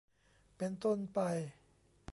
เป็นต้นไป